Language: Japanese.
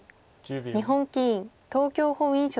日本棋院東京本院所属。